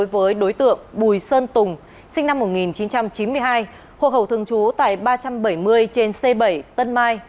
với đối tượng bùi sơn tùng sinh năm một nghìn chín trăm chín mươi hai hộ khẩu thường trú tại ba trăm bảy mươi trên c bảy tân mai